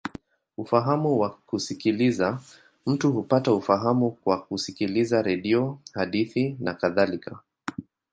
Ufahamu wa kusikiliza: mtu hupata ufahamu kwa kusikiliza redio, hadithi, nakadhalika.